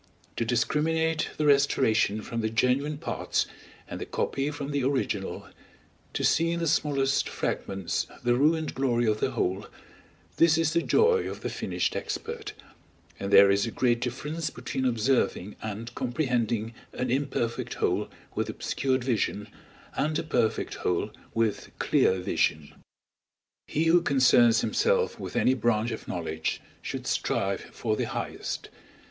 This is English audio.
To discriminate the restoration from the genuine parts, and the copy from the original, to see in the smallest fragments the ruined glory of the whole this is the joy of the finished expert; and there is a great difference between observing and comprehending an imperfect whole with obscured vision, and a perfect whole with clear vision. He who concerns himself with any branch of knowledge, should strive for the highest!